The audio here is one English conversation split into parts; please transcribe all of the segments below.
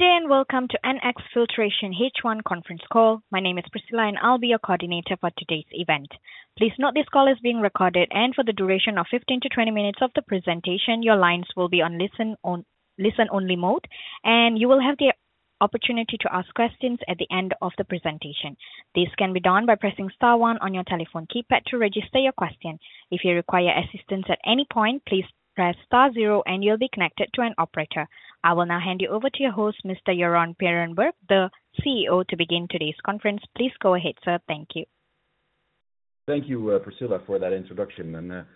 Good day, and welcome to NX Filtration H1 conference call. My name is Priscilla, and I'll be your coordinator for today's event. Please note this call is being recorded, and for the duration of 15-20 minutes of the presentation, your lines will be in listen-only mode, and you will have the opportunity to ask questions at the end of the presentation. This can be done by pressing star one on your telephone keypad to register your question. If you require assistance at any point, please press star zero, and you'll be connected to an operator. I will now hand you over to your host, Mr. Jeroen Pynenburg, the CEO, to begin today's conference. Please go ahead, sir. Thank you. Thank you, Priscilla, for that introduction, and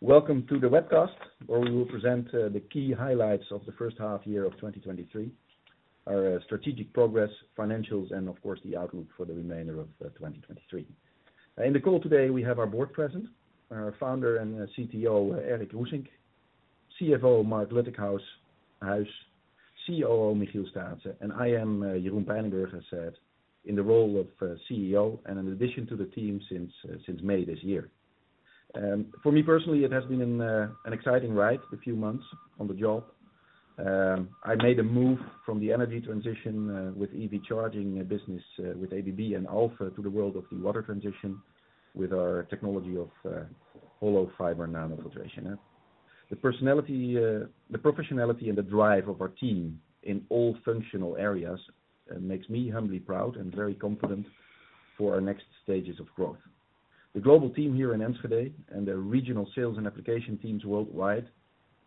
welcome to the webcast, where we will present the key highlights of the first half year of 2023, our strategic progress, financials, and of course, the outlook for the remainder of 2023. In the call today, we have our board present, our founder and CTO, Erik Roesink, CFO, Marc Luttikhuis, COO, Michiel Staatsen, and I am Jeroen Pynenburg, as I said, in the role of CEO and an addition to the team since May this year. For me personally, it has been an exciting ride, the few months on the job. I made a move from the energy transition with EV charging business with ABB and Alfen to the world of the water transition with our technology of hollow fiber nanofiltration. The personality, the professionality and the drive of our team in all functional areas, makes me humbly proud and very confident for our next stages of growth. The global team here in Amsterdam and their regional sales and application teams worldwide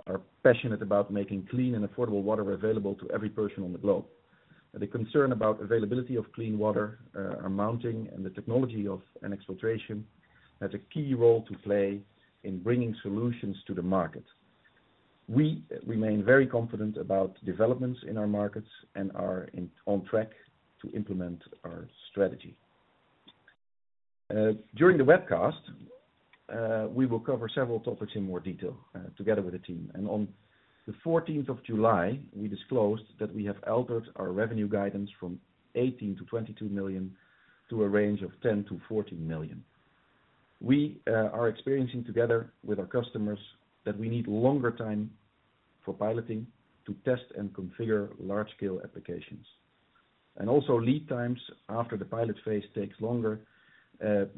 are passionate about making clean and affordable water available to every person on the globe. The concern about availability of clean water, are mounting, and the technology of NX Filtration has a key role to play in bringing solutions to the market. We remain very confident about developments in our markets and are on track to implement our strategy. During the webcast, we will cover several topics in more detail, together with the team. On the 14th of July, we disclosed that we have altered our revenue guidance from 18 million-22 million to a range of 10 million-14 million. We are experiencing together with our customers that we need longer time for piloting to test and configure large-scale applications. Also lead times after the pilot phase takes longer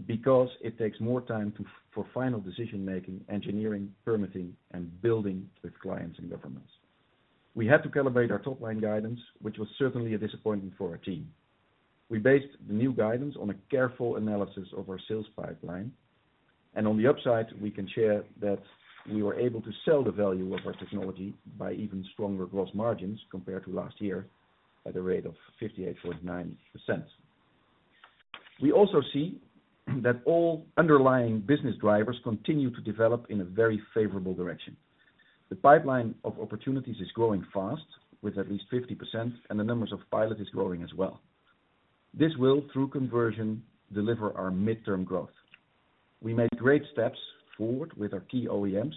because it takes more time to for final decision-making, engineering, permitting, and building with clients and governments. We had to calibrate our top-line guidance, which was certainly a disappointment for our team. We based the new guidance on a careful analysis of our sales pipeline, and on the upside, we can share that we were able to sell the value of our technology by even stronger gross margins compared to last year, at a rate of 58.9%. We also see that all underlying business drivers continue to develop in a very favorable direction. The pipeline of opportunities is growing fast, with at least 50%, and the numbers of pilot is growing as well. This will, through conversion, deliver our midterm growth. We made great steps forward with our key OEMs,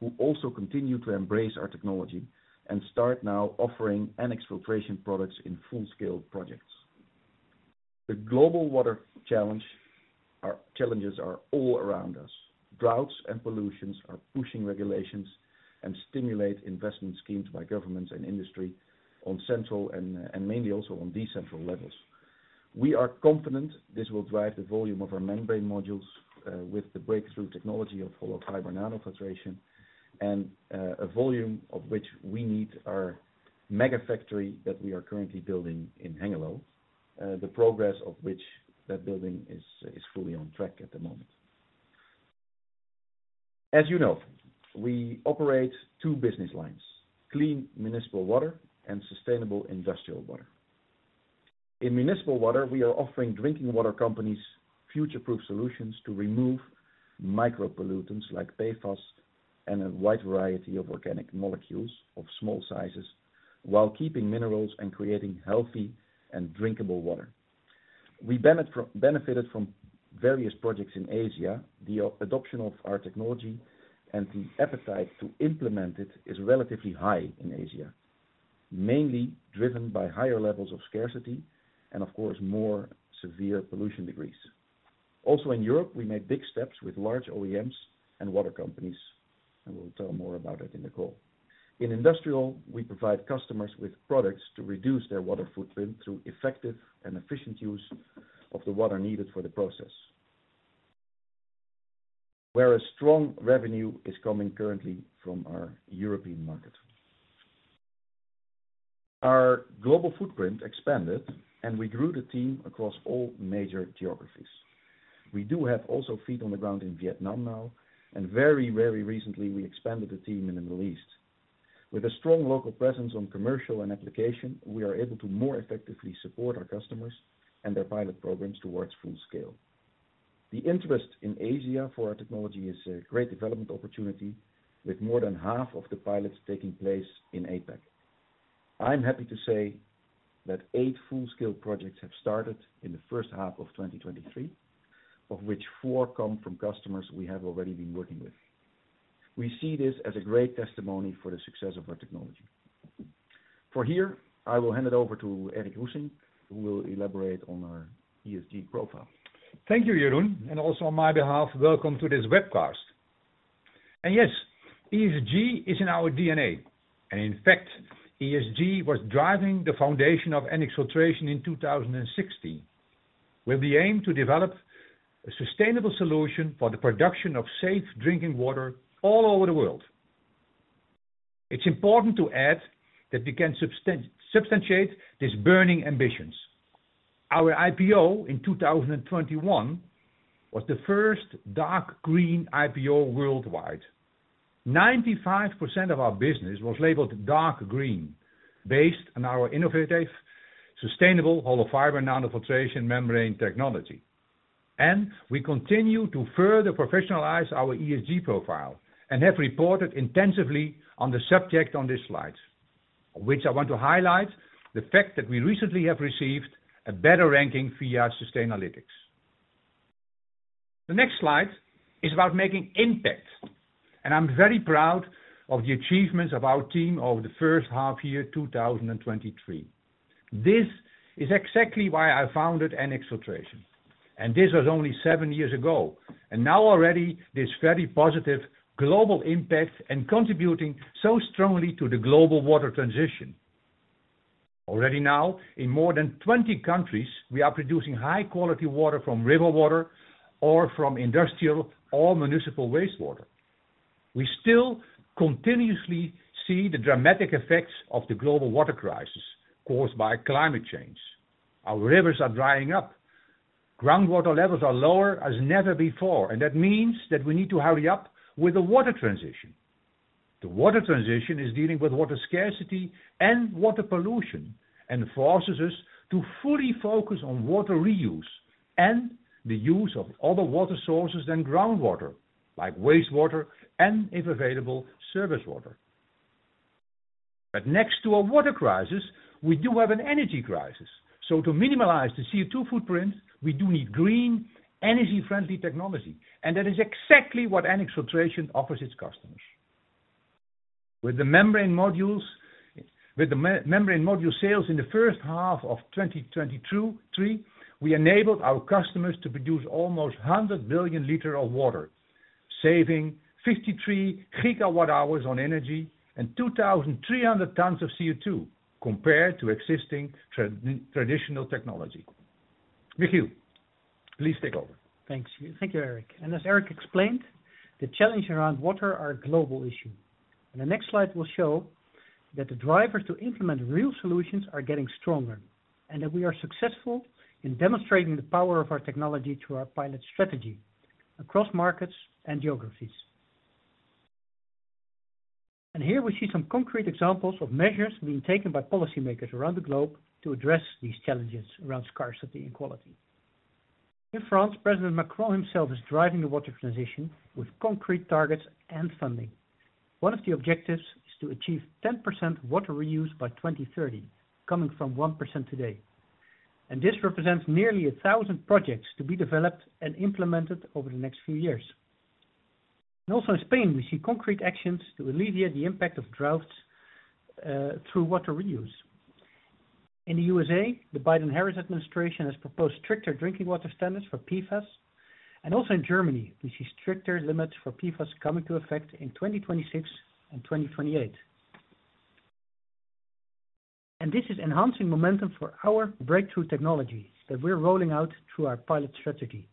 who also continue to embrace our technology and start now offering NX Filtration products in full-scale projects. The global water challenge are, challenges are all around us. Droughts and pollutions are pushing regulations and stimulate investment schemes by governments and industry on central and, and mainly also on decentral levels. We are confident this will drive the volume of our membrane modules, with the breakthrough technology of hollow fiber nanofiltration and, a volume of which we need our mega factory that we are currently building in Hengelo. The progress of which that building is, is fully on track at the moment. As you know, we operate two business lines, Clean Municipal Water and Sustainable Industrial Water. In Municipal Water, we are offering drinking water companies future-proof solutions `to remove micropollutants like PFAS and a wide variety of organic molecules of small sizes, while keeping minerals and creating healthy and drinkable water. We benefited from various projects in Asia. The adoption of our technology and the appetite to implement it is relatively high in Asia, mainly driven by higher levels of scarcity and of course, more severe pollution degrees. Also in Europe, we made big steps with large OEMs and water companies, and we'll tell more about it in the call. In Industrial, we provide customers with products to reduce their water footprint through effective and efficient use of the water needed for the process. Where a strong revenue is coming currently from our European market. Our global footprint expanded, and we grew the team across all major geographies. We do have also feet on the ground in Vietnam now, and very, very recently, we expanded the team in the Middle East. With a strong local presence on commercial and application, we are able to more effectively support our customers and their pilot programs towards full scale. The interest in Asia for our technology is a great development opportunity, with more than half of the pilots taking place in APAC. I'm happy to say that eight full-scale projects have started in the first half of 2023, of which four come from customers we have already been working with. We see this as a great testimony for the success of our technology. For here, I will hand it over to Erik Roesink, who will elaborate on our ESG profile. Thank you, Jeroen, and also on my behalf, welcome to this webcast.... And yes, ESG is in our DNA, and in fact, ESG was driving the foundation of NX Filtration in 2016, with the aim to develop a sustainable solution for the production of safe drinking water all over the world. It's important to add that we can substantiate these burning ambitions. Our IPO in 2021 was the first dark green IPO worldwide. 95% of our business was labeled dark green, based on our innovative, sustainable hollow fiber nanofiltration membrane technology. And we continue to further professionalize our ESG profile and have reported intensively on the subject on this slide, which I want to highlight the fact that we recently have received a better ranking via Sustainalytics. The next slide is about making impact, and I'm very proud of the achievements of our team over the first half year, 2023. This is exactly why I founded NX Filtration, and this was only seven years ago, and now already this very positive global impact and contributing so strongly to the global water transition. Already now, in more than 20 countries, we are producing high quality water from river water or from industrial or municipal wastewater. We still continuously see the dramatic effects of the global water crisis caused by climate change. Our rivers are drying up. Groundwater levels are lower as never before, and that means that we need to hurry up with the water transition. The water transition is dealing with water scarcity and water pollution, and forces us to fully focus on water reuse and the use of other water sources than groundwater, like wastewater and, if available, surface water. But next to a water crisis, we do have an energy crisis, so to minimize the CO₂ footprint, we do need green, energy-friendly technology, and that is exactly what NX Filtration offers its customers. With the membrane modules, with the membrane module sales in the first half of 2023, we enabled our customers to produce almost 100 billion L of water, saving 53 GWh on energy and 2,300 tons of CO₂, compared to existing traditional technology. Michiel, please take over. Thanks. Thank you, Erik. As Erik explained, the challenges around water are a global issue, and the next slide will show that the drivers to implement real solutions are getting stronger, and that we are successful in demonstrating the power of our technology through our pilot strategy across markets and geographies. Here we see some concrete examples of measures being taken by policymakers around the globe to address these challenges around scarcity and quality. In France, President Macron himself is driving the water transition with concrete targets and funding. One of the objectives is to achieve 10% water reuse by 2030, coming from 1% today. This represents nearly 1,000 projects to be developed and implemented over the next few years. Also in Spain, we see concrete actions to alleviate the impact of droughts through water reuse. In the USA, the Biden-Harris administration has proposed stricter drinking water standards for PFAS, and also in Germany, we see stricter limits for PFAS coming into effect in 2026 and 2028. This is enhancing momentum for our breakthrough technology that we're rolling out through our pilot strategy.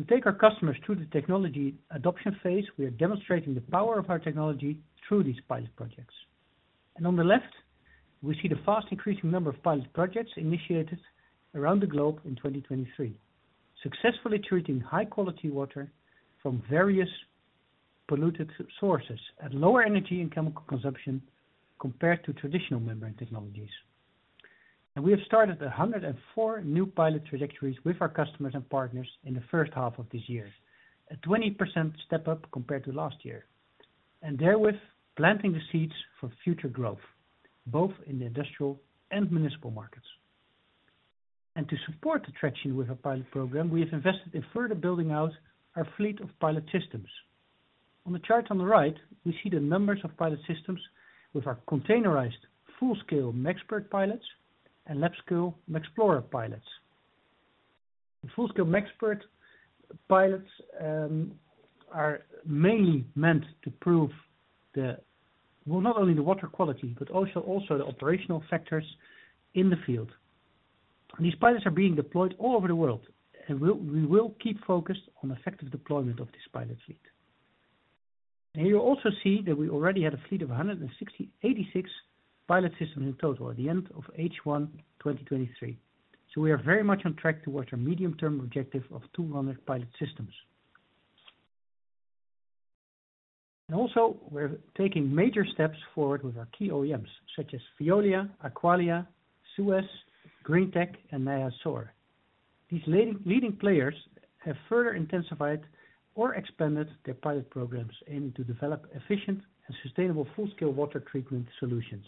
To take our customers through the technology adoption phase, we are demonstrating the power of our technology through these pilot projects. On the left, we see the fast increasing number of pilot projects initiated around the globe in 2023, successfully treating high quality water from various polluted sources at lower energy and chemical consumption compared to traditional membrane technologies. We have started 104 new pilot trajectories with our customers and partners in the first half of this year, a 20% step up compared to last year, and therewith planting the seeds for future growth, both in the industrial and municipal markets. To support the traction with our pilot program, we have invested in further building out our fleet of pilot systems. On the chart on the right, we see the numbers of pilot systems with our containerized full-scale Mexpert pilots and lab-scale Mexplorer pilots. The full-scale Mexpert pilots are mainly meant to prove. Well, not only the water quality, but also the operational factors in the field. These pilots are being deployed all over the world, and we will keep focused on effective deployment of this pilot fleet. You'll also see that we already had a fleet of 186 pilot systems in total at the end of H1 2023. So we are very much on track towards our medium-term objective of 200 pilot systems. Also, we're taking major steps forward with our key OEMs, such as Veolia, Aqualia, Suez, Greentech, and Nijhuis Saur. These leading players have further intensified or expanded their pilot programs, aiming to develop efficient and sustainable full-scale water treatment solutions.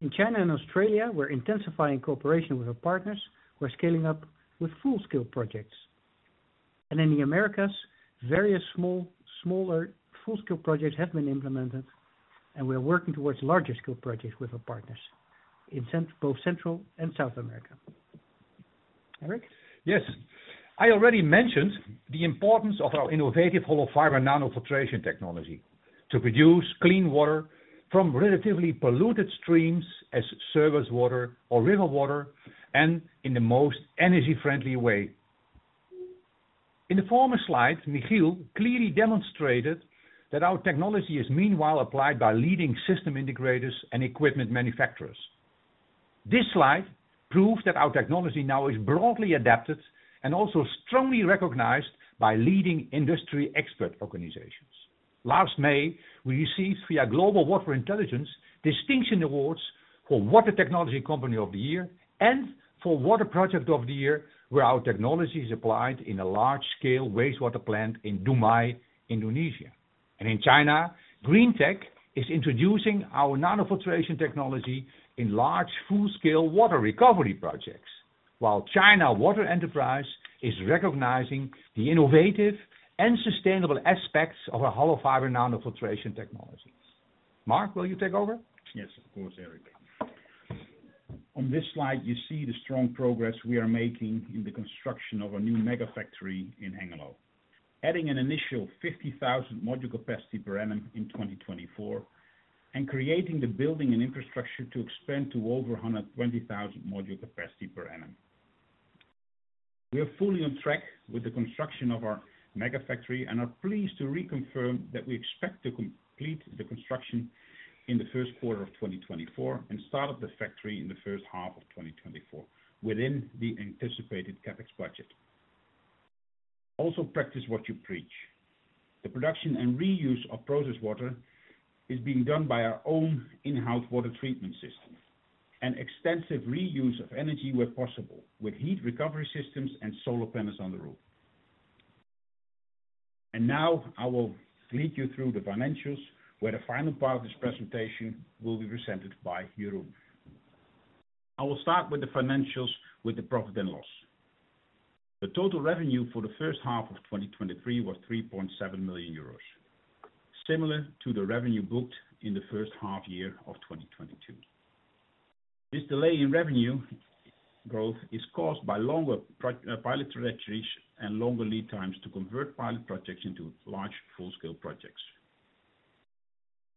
In China and Australia, we're intensifying cooperation with our partners. We're scaling up with full-scale projects. In the Americas, various small, smaller full-scale projects have been implemented, and we are working towards larger scale projects with our partners in both Central and South America.... Erik? Yes, I already mentioned the importance of our innovative hollow fiber nanofiltration technology to produce clean water from relatively polluted streams as service water or river water, and in the most energy-friendly way. In the former slide, Michiel clearly demonstrated that our technology is meanwhile applied by leading system integrators and equipment manufacturers. This slide proves that our technology now is broadly adopted and also strongly recognized by leading industry expert organizations. Last May, we received, via Global Water Intelligence, distinction awards for Water Technology Company of the Year and for Water Project of the Year, where our technology is applied in a large-scale wastewater plant in Dumai, Indonesia. And in China, Green Tech is introducing our nanofiltration technology in large full-scale water recovery projects, while China Water Enterprise is recognizing the innovative and sustainable aspects of our hollow fiber nanofiltration technologies. Marc, will you take over? Yes, of course, Erik. On this slide, you see the strong progress we are making in the construction of our new mega factory in Hengelo, adding an initial 50,000 module capacity per annum in 2024, and creating the building and infrastructure to expand to over 120,000 module capacity per annum. We are fully on track with the construction of our mega factory and are pleased to reconfirm that we expect to complete the construction in the first quarter of 2024, and start up the factory in the first half of 2024, within the anticipated CapEx budget. Also, practice what you preach. The production and reuse of process water is being done by our own in-house water treatment system, and extensive reuse of energy where possible, with heat recovery systems and solar panels on the roof. Now I will lead you through the financials, where the final part of this presentation will be presented by Jeroen. I will start with the financials, with the profit and loss. The total revenue for the first half of 2023 was 3.7 million euros, similar to the revenue booked in the first half year of 2022. This delay in revenue growth is caused by longer pilot trajectories and longer lead times to convert pilot projects into large-scale projects.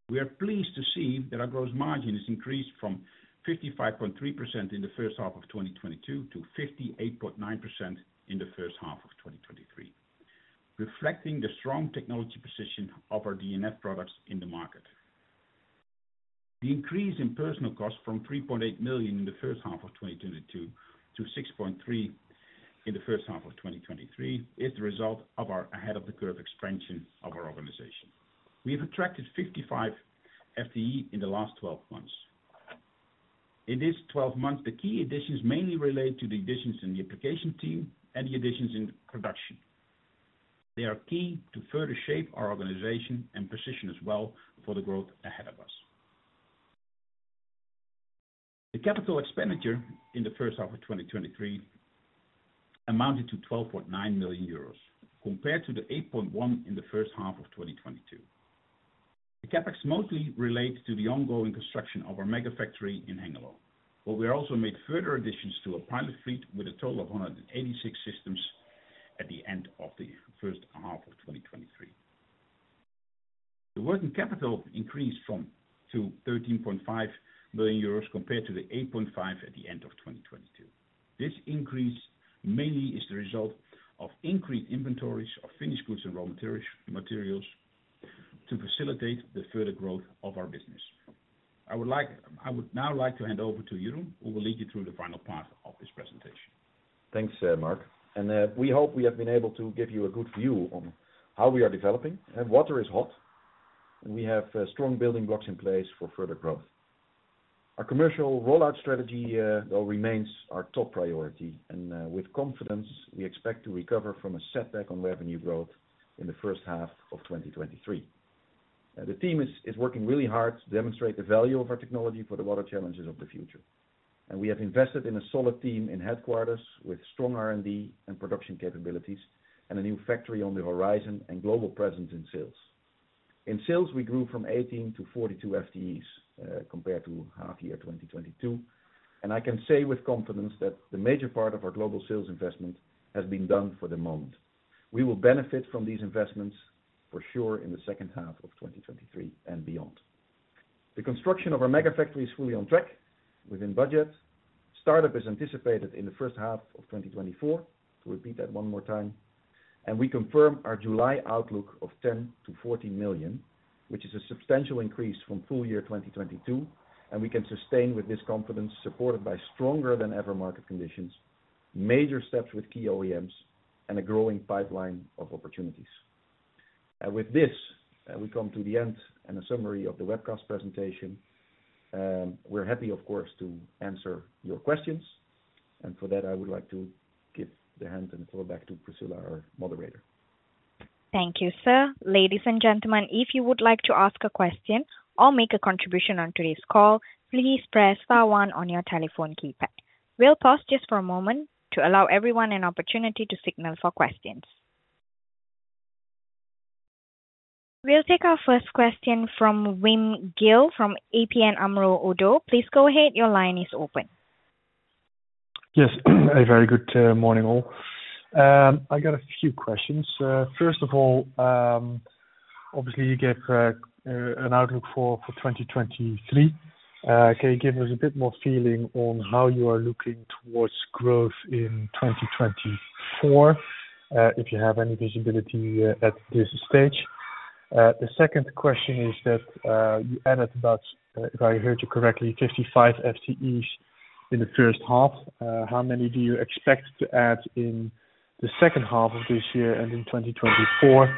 We are pleased to see that our gross margin has increased from 55.3% in the first half of 2022 to 58.9% in the first half of 2023, reflecting the strong technology position of our dNF products in the market. The increase in personnel costs from 3.8 million in the first half of 2022 to 6.3 million in the first half of 2023 is the result of our ahead of the curve expansion of our organization. We've attracted 55 FTE in the last 12 months. In this 12 months, the key additions mainly relate to the additions in the application team and the additions in production. They are key to further shape our organization and position as well for the growth ahead of us. The capital expenditure in the first half of 2023 amounted to 12.9 million euros, compared to the 8.1 million in the first half of 2022. The CapEx mostly relates to the ongoing construction of our mega factory in Hengelo, but we also made further additions to a pilot fleet with a total of 186 systems at the end of the first half of 2023. The working capital increased to 13.5 million euros, compared to the 8.5 million at the end of 2022. This increase mainly is the result of increased inventories of finished goods and raw materials to facilitate the further growth of our business. I would like. I would now like to hand over to Jeroen, who will lead you through the final part of this presentation. Thanks, Marc, and we hope we have been able to give you a good view on how we are developing. Water is hot, and we have strong building blocks in place for further growth. Our commercial rollout strategy, though, remains our top priority, and with confidence, we expect to recover from a setback on revenue growth in the first half of 2023. The team is working really hard to demonstrate the value of our technology for the water challenges of the future. We have invested in a solid team in headquarters with strong R&D and production capabilities, and a new factory on the horizon, and global presence in sales. In sales, we grew from 18 to 42 FTEs, compared to half year 2022, and I can say with confidence that the major part of our global sales investment has been done for the moment. We will benefit from these investments for sure in the second half of 2023 and beyond. The construction of our mega factory is fully on track, within budget. Startup is anticipated in the first half of 2024, to repeat that one more time, and we confirm our July outlook of 10 million- 14 million, which is a substantial increase from full year 2022, and we can sustain with this confidence, supported by stronger than ever market conditions, major steps with key OEMs, and a growing pipeline of opportunities. And with this, we come to the end and a summary of the webcast presentation. We're happy, of course, to answer your questions, and for that, I would like to give the hand and floor back to Priscilla, our moderator. Thank you, sir. Ladies and gentlemen, if you would like to ask a question or make a contribution on today's call, please press star one on your telephone keypad. We'll pause just for a moment to allow everyone an opportunity to signal for questions.... We'll take our first question from Wim Gille from ABN AMRO ODDO. Please go ahead. Your line is open. Yes. A very good morning, all. I got a few questions. First of all, obviously, you gave an outlook for 2023. Can you give us a bit more feeling on how you are looking towards growth in 2024? If you have any visibility at this stage. The second question is that you added about, if I heard you correctly, 55 FTEs in the first half. How many do you expect to add in the second half of this year and in 2024,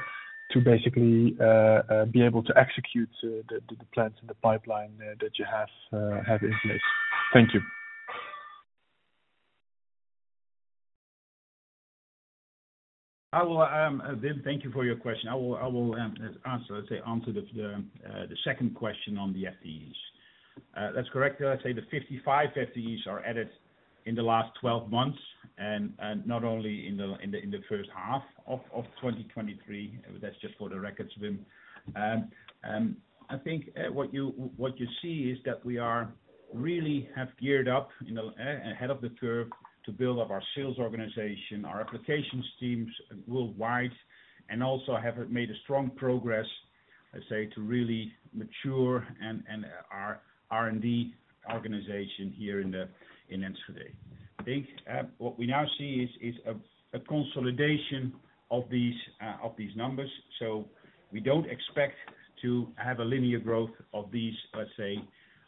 to basically be able to execute the plans and the pipeline that you have in place? Thank you. I will, Wim, thank you for your question. I will answer, let's say, the second question on the FTEs. That's correct. Let's say the 55 FTEs are added in the last 12 months, and not only in the first half of 2023. That's just for the record, Wim. I think what you see is that we are really have geared up, you know, ahead of the curve, to build up our sales organization, our applications teams worldwide, and also have made a strong progress, I say, to really mature and our R&D organization here in Enschede. I think what we now see is a consolidation of these numbers, so we don't expect to have a linear growth of these, let's say,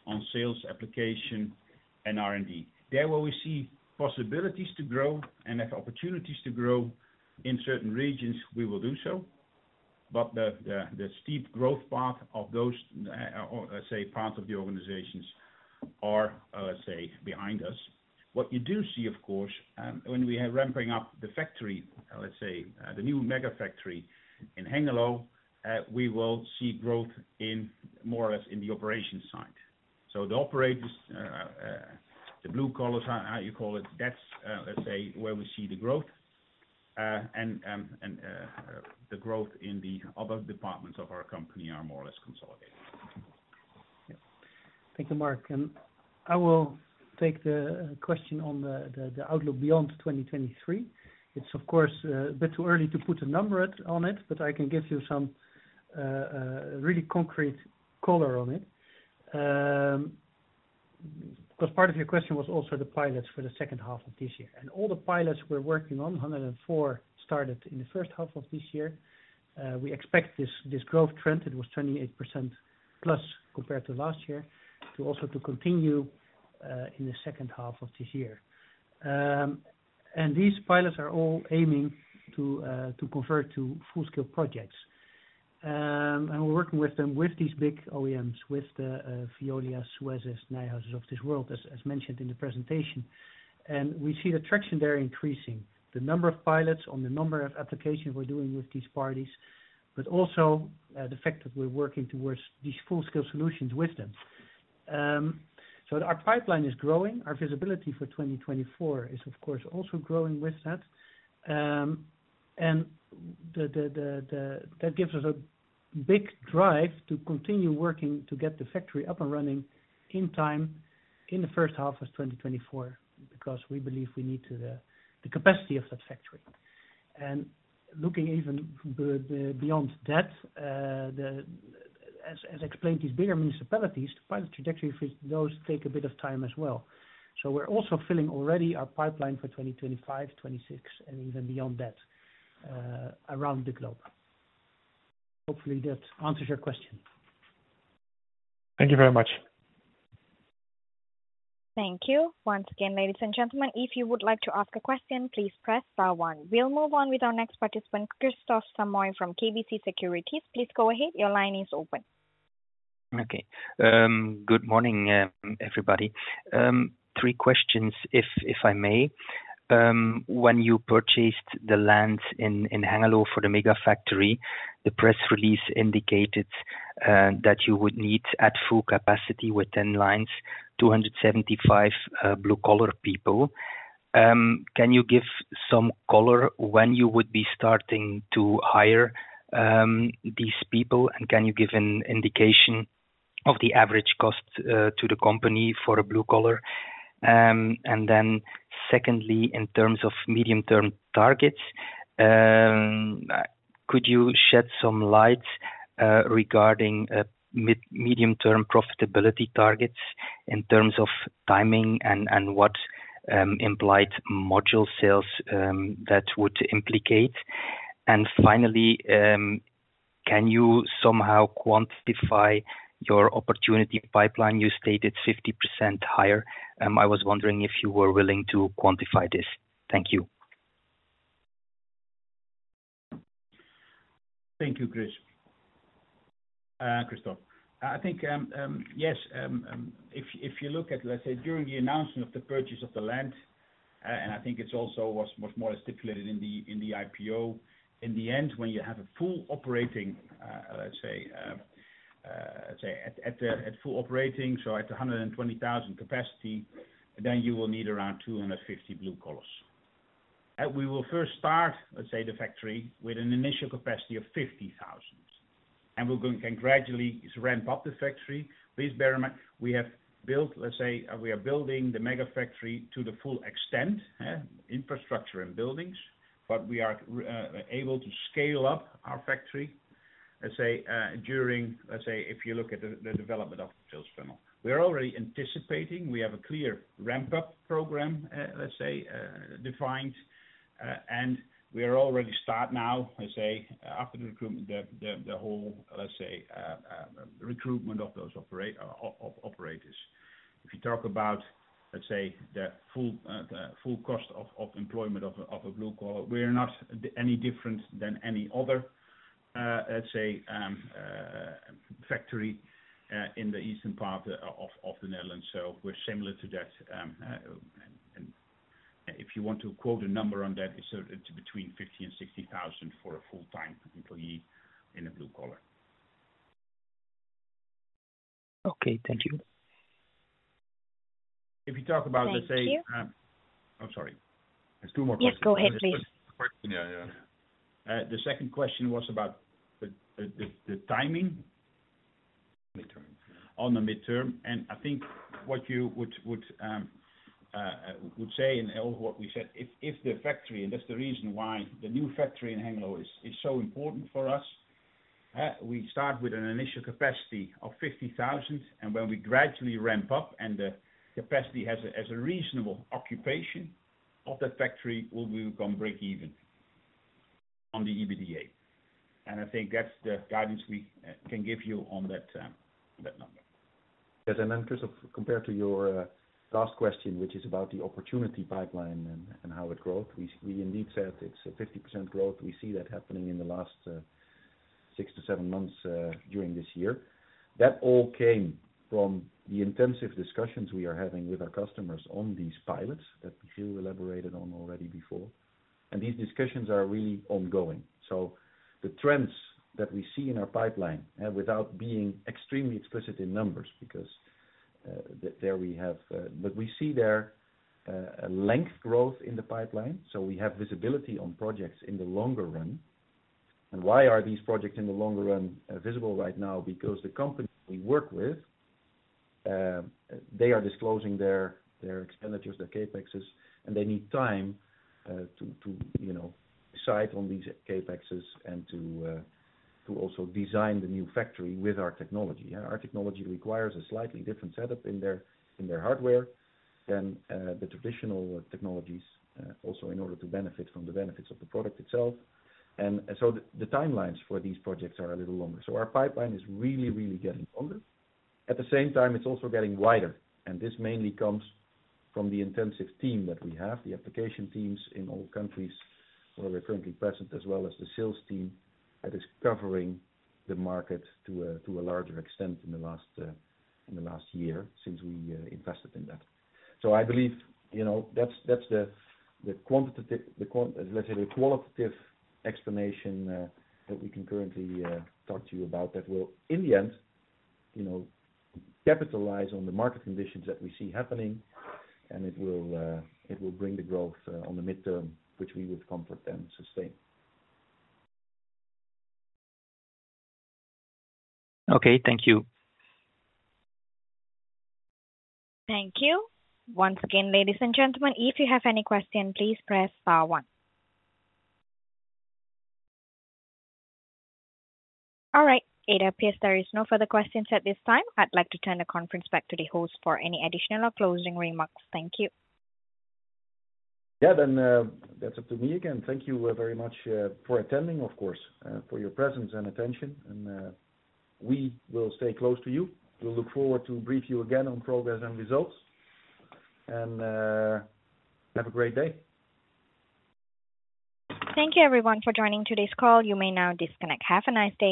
on sales application and R&D. There, where we see possibilities to grow and have opportunities to grow in certain regions, we will do so. But the steep growth part of those, or let's say, part of the organizations are, let's say, behind us. What you do see, of course, when we are ramping up the factory, let's say, the new mega factory in Hengelo, we will see growth in more or less in the operations side. So the operators, the blue collars, how you call it, that's, let's say, where we see the growth, and, and the growth in the other departments of our company are more or less consolidated. Yeah. Thank you, Marc, and I will take the question on the outlook beyond 2023. It's, of course, a bit too early to put a number on it, but I can give you some really concrete color on it. Because part of your question was also the pilots for the second half of this year. And all the pilots we're working on, 104, started in the first half of this year. We expect this growth trend, it was 28%+ compared to last year, to also continue in the second half of this year. And these pilots are all aiming to convert to full-scale projects. And we're working with them with these big OEMs, with the Veolias, Suezs, Nijhuis of this world, as mentioned in the presentation. And we see the traction there increasing the number of pilots on the number of applications we're doing with these parties, but also, the fact that we're working towards these full-scale solutions with them. So our pipeline is growing. Our visibility for 2024 is, of course, also growing with that. And that gives us a big drive to continue working to get the factory up and running in time, in the first half of 2024, because we believe we need the capacity of that factory. And looking even beyond that, as explained, these bigger municipalities, the pilot trajectory for those take a bit of time as well. So we're also filling already our pipeline for 2025, 2026, and even beyond that, around the globe. Hopefully, that answers your question. Thank you very much. Thank you. Once again, ladies and gentlemen, if you would like to ask a question, please press star one. We'll move on with our next participant, Kristof Samoy from KBC Securities. Please go ahead. Your line is open. Okay. Good morning, everybody. Three questions, if I may. When you purchased the land in Hengelo for the mega factory, the press release indicated that you would need at full capacity within lines 275 blue collar people. Can you give some color when you would be starting to hire these people? And can you give an indication of the average cost to the company for a blue collar? And then secondly, in terms of medium-term targets, could you shed some light regarding medium-term profitability targets in terms of timing and what implied module sales that would implicate? And finally, can you somehow quantify your opportunity pipeline? You stated 50% higher. I was wondering if you were willing to quantify this. Thank you. Thank you, Kris, Kristof. I think, yes, if you look at, let's say, during the announcement of the purchase of the land, and I think it's also was more stipulated in the IPO. In the end, when you have a full operating, let's say, at full operating, so at 120,000 capacity, then you will need around 250 blue collars. We will first start, let's say, the factory, with an initial capacity of 50,000, and we can gradually ramp up the factory. Please bear in mind, we have built, let's say, we are building the mega factory to the full extent, infrastructure and buildings, but we are able to scale up our factory, let's say, during... Let's say, if you look at the development of the sales funnel. We are already anticipating, we have a clear ramp-up program, let's say, defined, and we are already start now, let's say, after the recruitment, the whole, let's say, recruitment of those operators. If you talk about, let's say, the full cost of employment of a blue collar, we are not any different than any other, let's say, factory in the eastern part of the Netherlands. So we're similar to that, and if you want to quote a number on that, it's between 50,000 and 60,000 for a full-time employee in a blue collar. Okay, thank you. If you talk about, let's say- Thank you. I'm sorry. There's two more questions. Yes, go ahead, please. The second question was about the timing? Midterm. On the midterm, and I think what you would say, and all what we said, if the factory... And that's the reason why the new factory in Hengelo is so important for us. We start with an initial capacity of 50,000, and when we gradually ramp up and the capacity has a reasonable occupation of that factory, we will come breakeven on the EBITDA. And I think that's the guidance we can give you on that, on that number. Yes, and then, Kristof, compared to your last question, which is about the opportunity pipeline and how it growth, we indeed said it's a 50% growth. We see that happening in the last six-seven months during this year. That all came from the intensive discussions we are having with our customers on these pilots that Michiel elaborated on already before, and these discussions are really ongoing. So the trends that we see in our pipeline, and without being extremely explicit in numbers, because there we have... But we see there a length growth in the pipeline, so we have visibility on projects in the longer run. And why are these projects in the longer run visible right now? Because the company we work with, they are disclosing their, their expenditures, their CapEx, and they need time to you know decide on these CapEx and to also design the new factory with our technology. Our technology requires a slightly different setup in their hardware than the traditional technologies, also in order to benefit from the benefits of the product itself. And so the timelines for these projects are a little longer. So our pipeline is really, really getting longer. At the same time, it's also getting wider, and this mainly comes from the intensive team that we have, the application teams in all countries where we're currently present, as well as the sales team, that is covering the market to a larger extent in the last year since we invested in that. I believe, you know, that's the qualitative explanation that we can currently talk to you about, that will, in the end, you know, capitalize on the market conditions that we see happening, and it will bring the growth on the midterm, which we would comfort and sustain. Okay. Thank you. Thank you. Once again, ladies and gentlemen, if you have any question, please press star one. All right. It appears there is no further questions at this time. I'd like to turn the conference back to the host for any additional or closing remarks. Thank you. Yeah, then, that's up to me again. Thank you, very much, for attending, of course, for your presence and attention, and we will stay close to you. We look forward to brief you again on progress and results, and have a great day. Thank you, everyone, for joining today's call. You may now disconnect. Have a nice day.